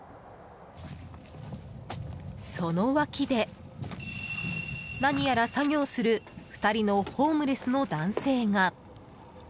その脇で、何やら作業する２人のホームレスの男性が。